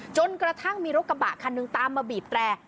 จนกระทั่งมีรถกระบะคันหนึ่งตามมาบีบแตร